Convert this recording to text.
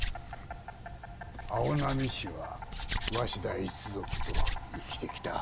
青波市は鷲田一族と生きてきた。